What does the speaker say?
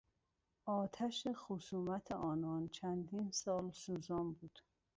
آتش خصومت آنان چندین سال سوزان بود.